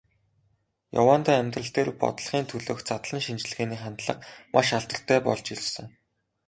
Яваандаа амьдрал дээр, бодлогын төлөөх задлан шинжилгээний хандлага маш алдартай болж ирсэн.